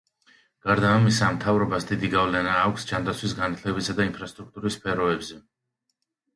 გარდა ამისა, მთავრობას დიდი გავლენა აქვს ჯანდაცვის, განათლებისა და ინფრასტრუქტურის სფეროებზე.